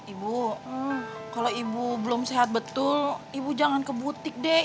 ibu kalau ibu belum sehat betul ibu jangan ke butik dek